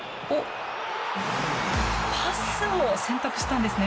パスを選択したんですね。